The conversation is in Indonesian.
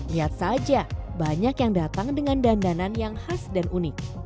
lihat saja banyak yang datang dengan dandanan yang khas dan unik